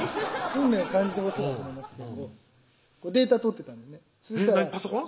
運命を感じてほしいなと思いましてデータ取ってたんですねパソコン？